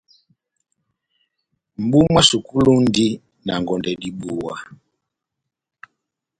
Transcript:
Mʼbu mwá sukulu múndi na ngondɛ dibuwa.